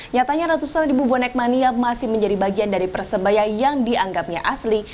nyatanya ratusan ribu bonek mania masih menjadi bagian dari persebaya yang dianggapnya asli